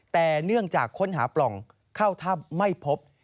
แต่เนื่องจากค้นหาปล่องเข้าถ้ำไม่พบ